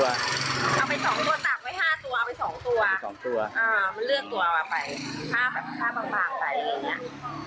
ตากไว้ห้าตัวเอาไปสองตัวเอาไปสองตัวอ่ามันเลือกตัวเอาไปผ้าแบบ